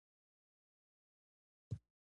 د چاریکار پر لور حرکت وکړ.